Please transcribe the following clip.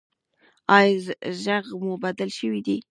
ایا غږ مو بدل شوی دی؟